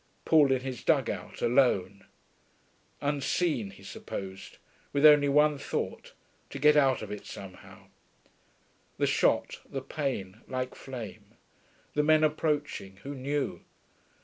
Paul in his dug out, alone ... unseen, he supposed ... with only one thought, to get out of it somehow.... The shot, the pain, like flame ... the men approaching, who knew....